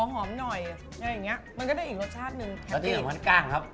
หอมหน่อยอะไรอย่างเงี้ยมันก็ได้อีกรสชาติหนึ่งแคปที่มันกล้างครับ